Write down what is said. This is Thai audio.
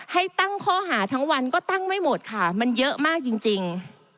ให้ตั้งข้อหาทั้งวันก็ตั้งไม่หมดค่ะมันเยอะมากจริง